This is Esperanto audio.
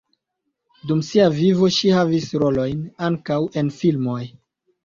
Dum sia vivo ŝi havis rolojn ankaŭ en filmoj.